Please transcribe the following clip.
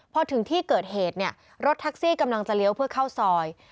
พอถึงที่เกิดเหตุเนี่ยรถแท็กซี่กำลังจะเลี้ยวเพื่อเข้าซอย